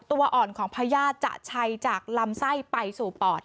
ตัวอ่อนของพญาติจะชัยจากลำไส้ไปสู่ปอด